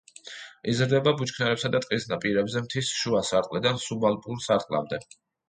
იზრდება ბუჩქნარებსა და ტყის პირებზე მთის შუა სარტყლიდან სუბალპურ სარტყლამდე.